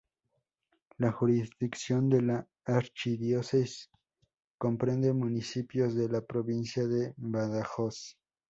La jurisdicción de la archidiócesis comprende municipios de la provincia de Badajoz.